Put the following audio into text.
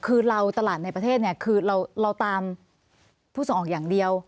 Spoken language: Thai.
คือเราตลาดในประเทศเนี่ยคือเราตามผู้ส่งออกอย่างเดียว